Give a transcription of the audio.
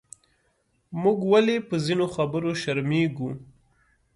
موږ ولې پۀ ځینو خبرو شرمېږو؟